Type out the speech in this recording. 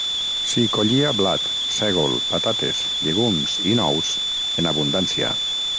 S'hi collia blat, sègol, patates, llegums i nous en abundància.